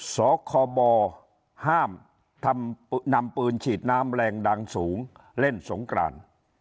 สคบห้ามนำปืนฉีดน้ำแรงดังสูงเล่นสงกราน